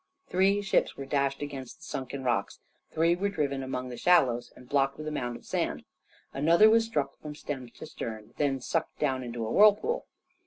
Three ships were dashed against sunken rocks, three were driven among the shallows and blocked with a mound of sand. Another was struck from stem to stern, then sucked down into a whirlpool.